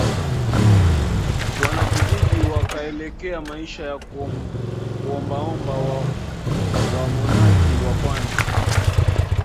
wanavijiji wakaelekea maisha ya kuombaomba Wamonaki wa kwanza